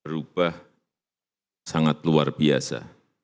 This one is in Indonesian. perubahan sangat luar biasa